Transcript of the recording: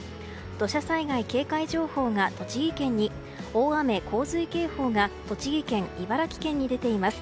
土砂災害警戒情報が栃木県に大雨・洪水警報が栃木県、茨城県に出ています。